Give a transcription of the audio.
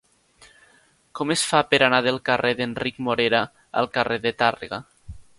Com es fa per anar del carrer d'Enric Morera al carrer de Tàrrega?